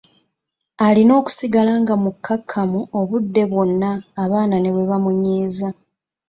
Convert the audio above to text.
Alina okusigala nga mukakkamu obudde bwonna abaana ne bwe bamunyiiza.